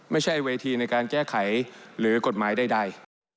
ไม่ใช่เวทีในการแก้ไขหรือกฎหมายใด